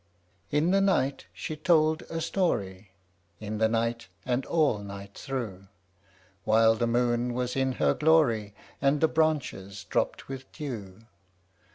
In the night she told a story, In the night and all night through, While the moon was in her glory, And the branches dropped with dew.